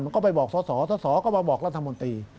มันก็ไปบอกสสสสก็มาบอกรัฐอมตรี